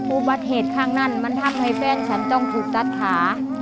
อุบัติเหตุข้างนั้นมันทำให้แฟนฉันต้องถูกตัดขา